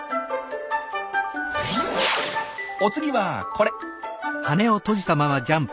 お次はこれ！